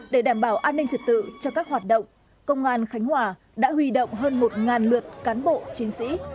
để đảm bảo an ninh trật tự cho các hoạt động công an khánh hòa đã huy động hơn một lượt cán bộ chiến sĩ